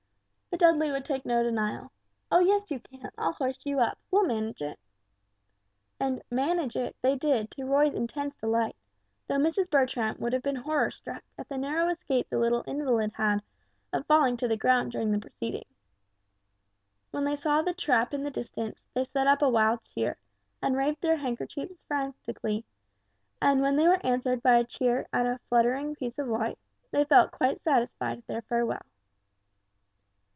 But Dudley would take no denial. "Oh, yes, you can, I'll hoist you up, we'll manage it." And "manage it" they did to Roy's intense delight, though Mrs. Bertram would have been horror struck at the narrow escape the little invalid had, of falling to the ground during the proceeding. When they saw the trap in the distance, they set up a wild cheer, and waved their handkerchiefs frantically, and when they were answered by a cheer and a fluttering piece of white, they felt quite satisfied at their farewell.